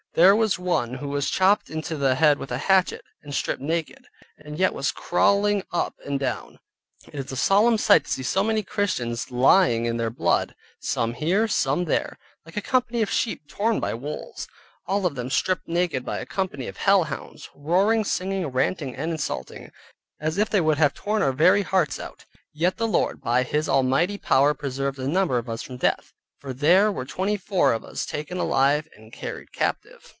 There was one who was chopped into the head with a hatchet, and stripped naked, and yet was crawling up and down. It is a solemn sight to see so many Christians lying in their blood, some here, and some there, like a company of sheep torn by wolves, all of them stripped naked by a company of hell hounds, roaring, singing, ranting, and insulting, as if they would have torn our very hearts out; yet the Lord by His almighty power preserved a number of us from death, for there were twenty four of us taken alive and carried captive.